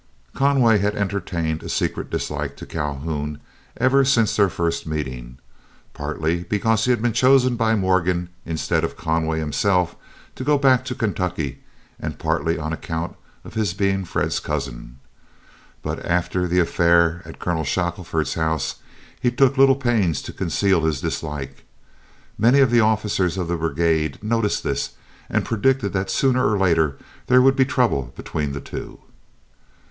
Conway had entertained a secret dislike to Calhoun ever since their first meeting, partly because he had been chosen by Morgan, instead of Conway himself, to go back to Kentucky, and partly on account of his being Fred's cousin. But after the affair at Colonel Shackelford's house, he took little pains to conceal his dislike. Many of the officers of the brigade noticed this, and predicted that sooner or later there would be trouble between the two.